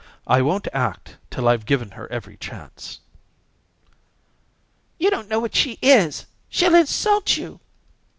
I won't act till I've given her every chance." "You don't know what she is. She'll insult you."